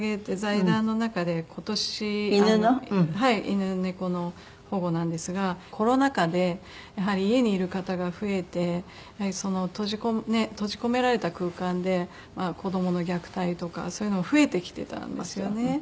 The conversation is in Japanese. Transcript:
犬猫の保護なんですがコロナ禍でやはり家にいる方が増えて閉じ込められた空間で子どもの虐待とかそういうのが増えてきてたんですよね。